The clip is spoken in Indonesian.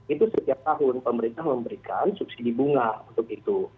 itu setiap tahun pemerintah memberikan subsidi bunga untuk itu